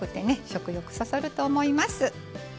食欲そそると思います。